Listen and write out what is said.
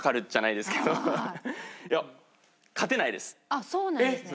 あっそうなんですね。